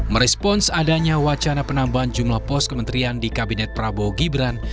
merespons adanya wacana penambahan jumlah pos kementerian di kabinet prabowo gibran